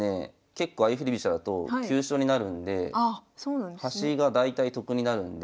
結構相振り飛車だと急所になるんで端が大体得になるんで。